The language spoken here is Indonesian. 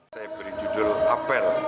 saya beri judul apel